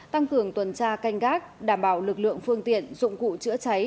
tăng cường tuần tra canh gác đảm bảo lực lượng phương tiện dụng cụ chữa cháy